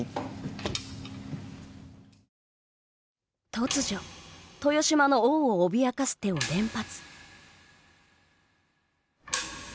突如、豊島の王を脅かす手を連発。